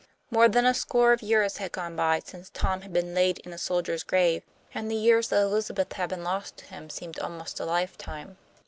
More than a score of years had gone by since Tom had been laid in a soldier's grave, and the years that Elizabeth had been lost to him seemed almost a lifetime.